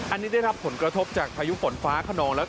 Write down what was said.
อันนี้ได้รับผลกระทบจากพายุฝนฟ้าขนอง